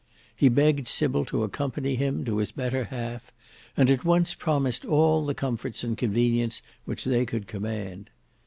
He begged Sybil to accompany him to his better half, and at once promised all the comforts and convenience which they could command.